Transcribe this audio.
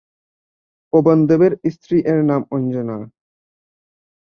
পবন দেবের স্ত্রী এর নাম অঞ্জনা।